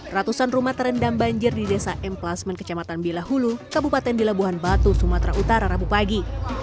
ratusan rumah terendam banjir di desa m plasmen kecamatan bilahulu kabupaten bilabuhan batu sumatera utara rabu pagi